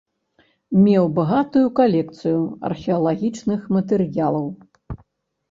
Меў багатую калекцыю археалагічных матэрыялаў.